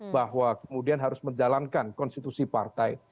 bahwa kemudian harus menjalankan konstitusi partai